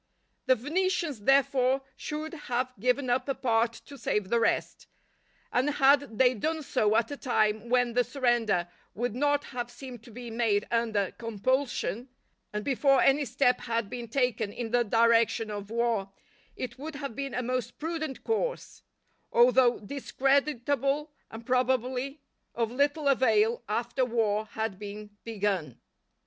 The Venetians, therefore, should have given up a part to save the rest; and had they done so at a time when the surrender would not have seemed to be made under compulsion, and before any step had been taken in the direction of war, it would have been a most prudent course; although discreditable and probably of little avail after war had been begun.